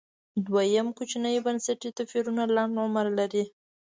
دویم کوچني بنسټي توپیرونه لنډ عمر لري